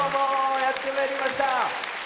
やってまいりました。